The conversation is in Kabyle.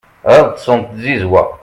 ad ṭṭsen d tzizwa